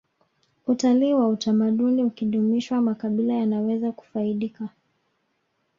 utalii wa utamaduni ukidumishwa makabila yanaweza kufaidika